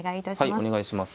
はいお願いします。